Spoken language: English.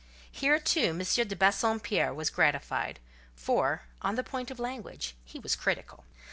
Here, too, M. de Bassompierre was gratified; for, on the point of language, he was critical.